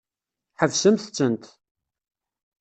Ḥebsemt-tent!